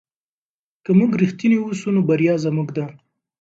که موږ رښتیني اوسو نو بریا زموږ ده.